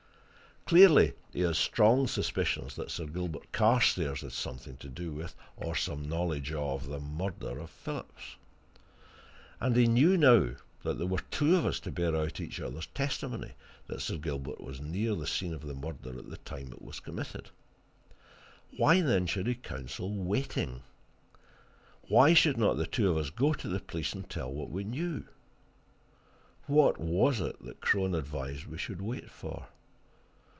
Clearly, he had strong suspicions that Sir Gilbert Carstairs had something to do with, or some knowledge of, the murder of Phillips, and he knew now that there were two of us to bear out each other's testimony that Sir Gilbert was near the scene of the murder at the time it was committed. Why, then, should he counsel waiting? Why should not the two of us go to the police and tell what we knew? What was it that Crone advised we should wait for?